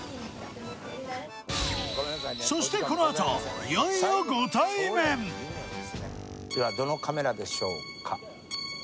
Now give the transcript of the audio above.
そしてこのあとではどのカメラでしょうか？